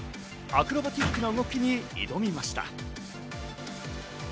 アクロバティックな動きに挑みました。